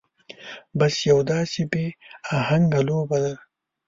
بس يو داسې بې اهنګه لوبه ده.